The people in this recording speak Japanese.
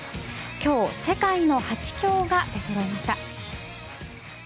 今日、世界の８強が出そろいました。